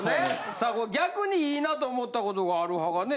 さあ逆にいいなと思ったことがある派がね